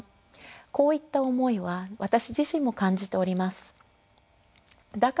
こういった思いは私自身も感じております。